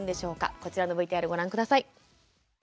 こちらのＶＴＲをご覧下さい。